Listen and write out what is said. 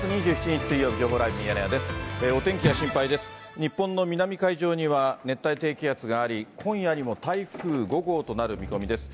日本の南海上には、熱帯低気圧があり、今夜にも台風５号となる見込みです。